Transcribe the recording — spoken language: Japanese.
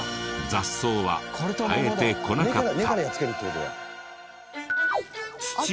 雑草は生えてこなかった。